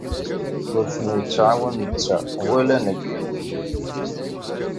Ur ten-yettɛawan netta wala nekk.